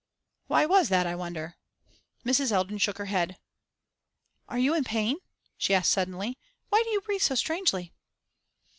'Why was that, I wonder?' Mrs. Eldon shook her head. 'Are you in pain?' she asked suddenly. 'Why do you breathe so strangely?